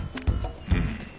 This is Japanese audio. うん。